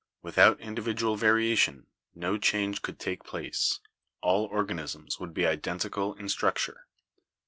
Without individual variation no change could take place; all organisms would be identical in structure."